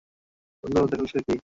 বন্ধু, দেখ সে কি?